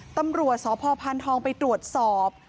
ตำรวจสพพานทองไปตรวจสอบ